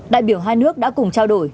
đại biểu hai nước đã cùng trao đổi